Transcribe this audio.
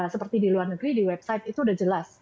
seperti di luar negeri di website itu sudah jelas